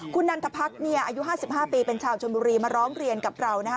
คุณนันทพรรคเนี่ยอายุ๕๕ปีเป็นชาวชนบุรีมาร้องเรียนกับเรานะฮะ